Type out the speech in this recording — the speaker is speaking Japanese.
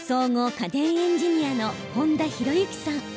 総合家電エンジニアの本多宏行さん。